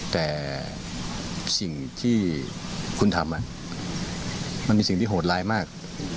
แต่สิ่งที่คุณทำมันมีสิ่งที่โหดร้ายมาก